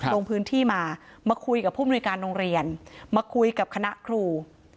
ลงพื้นที่มามาคุยกับผู้มนุยการโรงเรียนมาคุยกับคณะครู